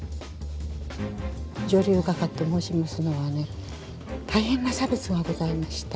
女流画家と申しますのはね大変な差別がございました。